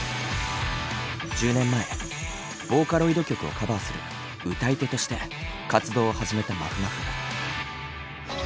１０年前ボーカロイド曲をカバーする「歌い手」として活動を始めたまふまふ。